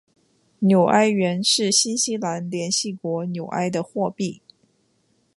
纽埃元是新西兰联系国纽埃的货币。